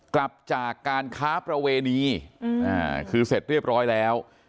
กลับจากการค้าประเวณีคือเสร็จเรียบร้อยแล้ว